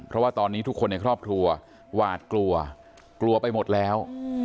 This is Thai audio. เพราะว่าตอนนี้ทุกคนในครอบครัวหวาดกลัวกลัวไปหมดแล้ว